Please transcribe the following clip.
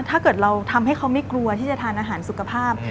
ถ้าเกิดเราทำให้เขาไม่กลัวที่จะทานอาหารสุขภาพ